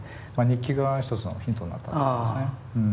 日記が一つのヒントになったっていうことですね。